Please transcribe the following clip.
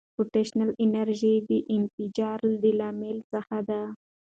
پوتنشیاله انرژي د انفجار د لاملونو څخه ده.